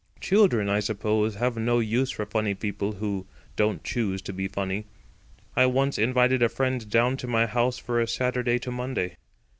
Children, I suppose, have no use for funny people who don't choose to be funny. I once invited a friend down to my house for a Saturday to Monday.